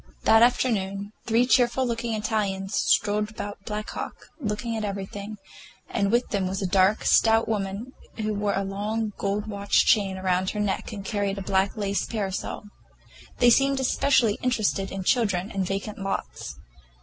That afternoon three cheerful looking Italians strolled about Black Hawk, looking at everything, and with them was a dark, stout woman who wore a long gold watch chain about her neck and carried a black lace parasol. They seemed especially interested in children and vacant lots.